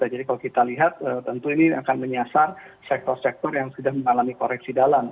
jadi kalau kita lihat tentu ini akan menyasar sektor sektor yang sudah mengalami koreksi dalam